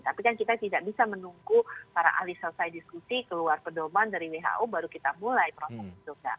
tapi kan kita tidak bisa menunggu para ahli selesai diskusi keluar pedoman dari who baru kita mulai proses itu